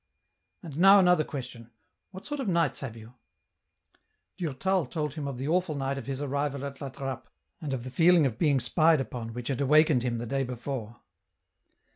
" And now another question ; what sort of nights have you ?" Durtal told him of the awful night of his arrival at La Trappe, and of the feeling of being spied upon which had awakened him the day before.